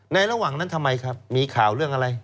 ระหว่างนั้นทำไมครับมีข่าวเรื่องอะไร